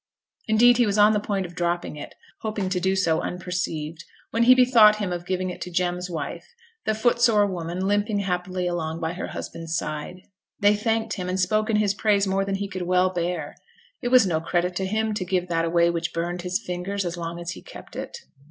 Indeed he was on the point of dropping it, hoping to do so unperceived, when he bethought him of giving it to Jem's wife, the footsore woman, limping happily along by her husband's side. They thanked him, and spoke in his praise more than he could well bear. It was no credit to him to give that away which burned his fingers as long as he kept it.